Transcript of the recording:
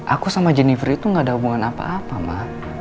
aku sama jennifer itu gak ada hubungan apa apa ma